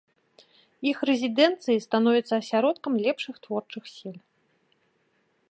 Іх рэзідэнцыі становяцца асяродкам лепшых творчых сіл.